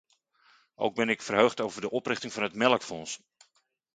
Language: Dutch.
Ook ben ik verheugd over de oprichting van het melkfonds.